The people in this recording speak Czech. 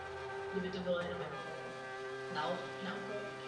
Nové ulice byly pojmenovány po stromech.